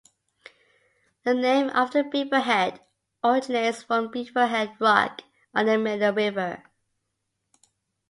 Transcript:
The name of the Beaverhead originates from Beaverhead Rock on the middle river.